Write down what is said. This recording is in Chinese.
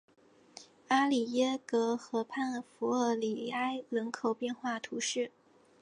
阿里耶格河畔弗尔里埃人口变化图示